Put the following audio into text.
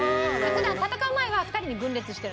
普段戦う前は２人に分裂してる。